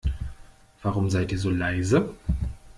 Warum seid ihr so leise?